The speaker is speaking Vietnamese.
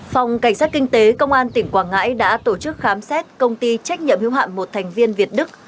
phòng cảnh sát kinh tế công an tỉnh quảng ngãi đã tổ chức khám xét công ty trách nhiệm hưu hạm một thành viên việt đức